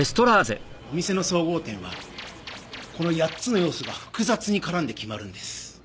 お店の総合点はこの８つの要素が複雑に絡んで決まるんです。